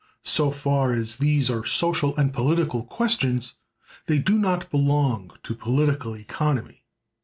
So far as these are social and political questions they do not belong to Political Economy.